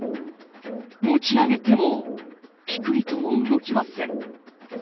持ち上げてもぴくりとも動きません。